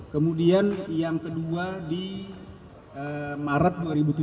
kemudian yang kedua di maret dua ribu tujuh belas